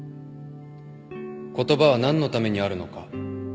言葉は何のためにあるのか。